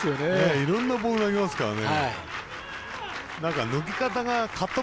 いろんなボール投げますからね。